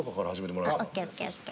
ＯＫＯＫＯＫ。